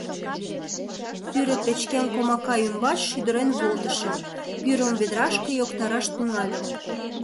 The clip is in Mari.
Пӱрӧ печкем комака ӱмбач шӱдырен волтышым, пӱрым ведрашке йоктараш тӱҥальым...